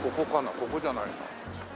ここじゃないな。